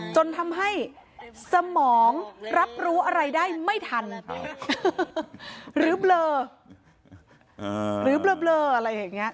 จนทำให้สมองรับรู้อะไรได้ไม่ทันหรือเบลอหรือเบลออะไรอย่างนี้